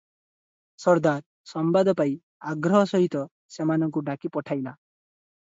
ସର୍ଦ୍ଦାର ସମ୍ବାଦ ପାଇ ଆଗ୍ରହସହିତ ସେମାନଙ୍କୁ ଡାକି ପଠାଇଲା ।